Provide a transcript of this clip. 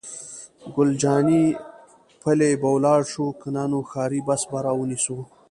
ګل جانې: پلي به ولاړ شو، که نه نو ښاري بس به را ونیسو.